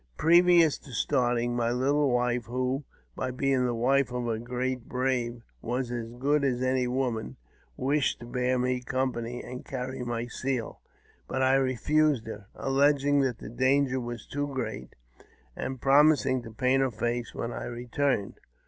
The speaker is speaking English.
Previous to starting, my little wife, who, by being the wife of a great brave, was as good as any woman, wished to bear me company and carry my shield. But I refused her, alleging that the danger was too great, and promising to paint 204 AUTOBIOGRAPHY OF her face when I returned.